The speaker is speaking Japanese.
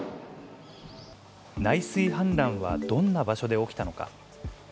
内水氾濫はどんな場所で起きたのか。